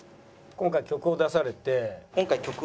「今回曲を出されて」。